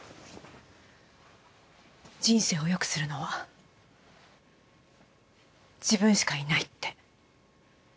人生を良くするのは自分しかいないって。